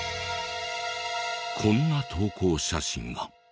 こんな投稿写真が。